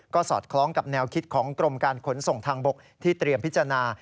ก็สอดคล้องกับแนวคิดของกรมการขนส่งทางบกที่เตรียมพิจารณา